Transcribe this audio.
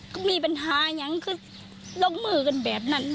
ก็มีปัญหายังคือลงมือกันแบบนั้น